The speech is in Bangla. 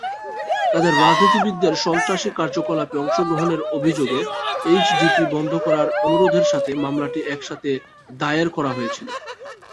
তাদের রাজনীতিবিদদের সন্ত্রাসী কার্যকলাপে অংশগ্রহণের অভিযোগে এইচডিপি বন্ধ করার অনুরোধের সাথে মামলাটি একসাথে দায়ের করা হয়েছিল।